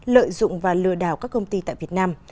lợi dụng và lừa đảo các công ty tại việt nam